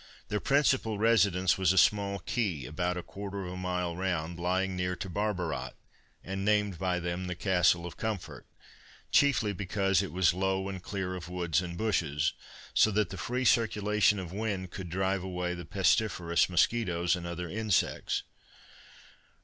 Their principal residence was a small key, about a quarter of a mile round, lying near to Barbarat, and named by them the Castle of Comfort, chiefly because it was low and clear of woods and bushes, so that the free circulation of wind could drive away the pestiferous musquitoes and other insects.